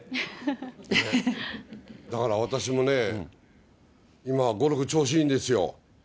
だから私もね、今、ゴルフ調子いいんですよ。